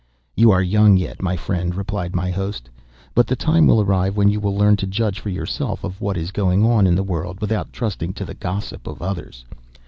"You are young yet, my friend," replied my host, "but the time will arrive when you will learn to judge for yourself of what is going on in the world, without trusting to the gossip of others.